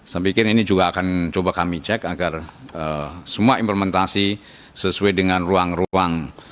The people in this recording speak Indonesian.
saya pikir ini juga akan coba kami cek agar semua implementasi sesuai dengan ruang ruang